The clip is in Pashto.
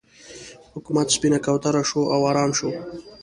حکومت سپینه کوتره شو او ارام شو.